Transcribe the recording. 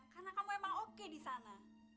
karena kamu emang oke di sana